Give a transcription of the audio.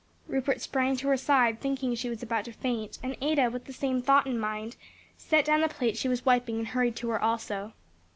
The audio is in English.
Rupert sprang to her side, thinking she was about to faint, and Ada, with the same thought in her mind, set down the plate she was wiping and hurried to her also.